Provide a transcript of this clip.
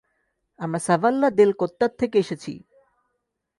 আমরা সাভাল্লা দেল কোত্তাত থেকে এসেছি।